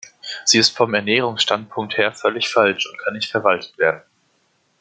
Sie ist vom Ernährungsstandpunkt her völlig falsch und kann nicht verwaltet werden.